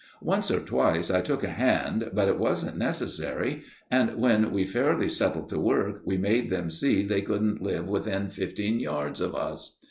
Once or twice I took a hand, but it wasn't necessary, and when we fairly settled to work, we made them see they couldn't live within fifteen yards of us.